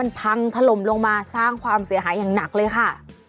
มันพังถล่มลงมาสร้างความเสียหายอย่างหนักเลยค่ะ